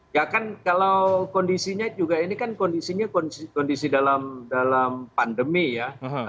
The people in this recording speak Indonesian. ya kan kalau kondisinya juga ini kan kondisinya kondisi dalam pandemi ya